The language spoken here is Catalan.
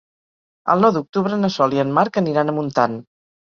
El nou d'octubre na Sol i en Marc aniran a Montant.